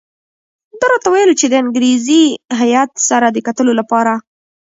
ده راته وویل چې د انګریزي هیات سره د کتلو لپاره.